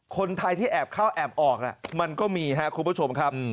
คนไทยที่แอบเข้าแอบออกมันก็มีครับคุณผู้ชมครับ